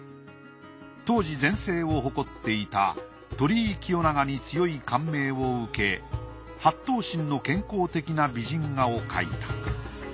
当時全盛を誇っていた鳥居清長に強い感銘を受け８頭身の健康的な美人画を描いた。